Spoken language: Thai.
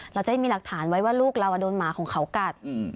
เราจะได้มีหลักฐานไว้ว่าลูกเราโดนหมาของเขากัด